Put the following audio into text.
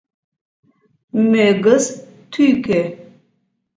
Мӧгыз — тӱкӧ.